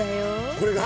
これが？